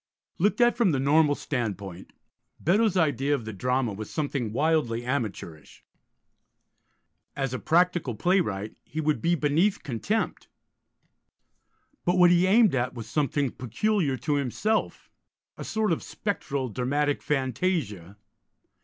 Looked at from the normal standpoint, Beddoes' idea of the drama was something wildly amateurish. As a practical playwright he would be beneath contempt; but what he aimed at was something peculiar to himself, a sort of spectral dramatic fantasia.